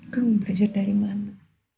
kamu belajar dari mana